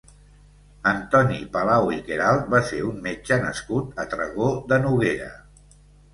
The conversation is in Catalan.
Antoni Palau i Queralt va ser un metge nascut a Tragó de Noguera.